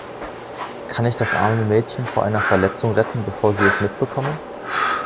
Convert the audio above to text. Kann ich das arme Mädchen vor einer Verletzung retten, bevor sie es mitbekommen?